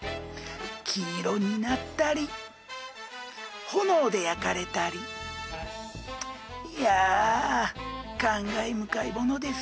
黄色になったり炎で焼かれたりいや感慨深いものです。